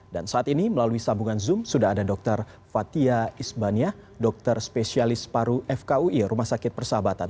dan saat ini melalui sambungan zoom sudah ada dr fathia isbanya dr spesialis paru fkui rumah sakit persahabatan